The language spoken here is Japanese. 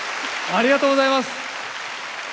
ありがとうございます。